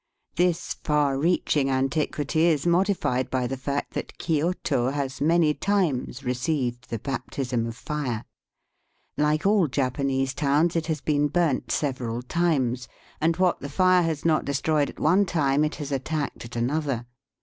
This far reaching antiquity is modified by the fact that Kioto has many times received the baptism of fire. Like all Japanese towns, it has been burnt several times, and what the fire has not destroyed at one time it has attacked at another.